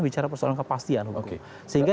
bicara persoalan kepastian sehingga di